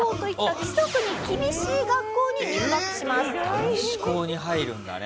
男子校に入るんだね。